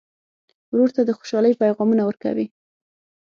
ورور ته د خوشحالۍ پیغامونه ورکوې.